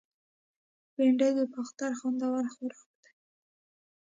بېنډۍ د باختر خوندور خوراک دی